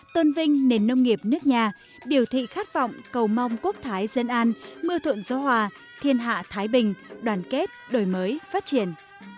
tôn vinh nền nông nghiệp nước nhà biểu thị khát vọng cầu mong quốc thái dân an mưa thuận gió hòa thiên hạ thái bình đoàn kết đổi mới phát triển